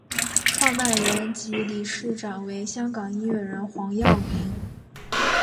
创办人及理事长为香港音乐人黄耀明。